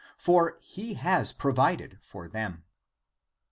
For he has provided for them."